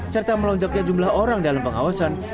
serta melonjaknya jumlah orang dalam pengawasan